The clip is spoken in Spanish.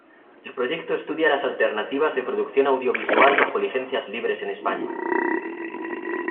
El proyecto estudia las alternativas de producción audiovisual bajo licencias libres en España.